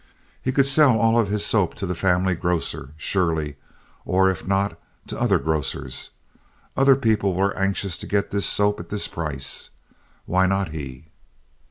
He could sell all of his soap to the family grocer, surely; or, if not, to other grocers. Other people were anxious to get this soap at this price. Why not he?